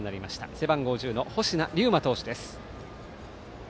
背番号１０の星名竜真投手です。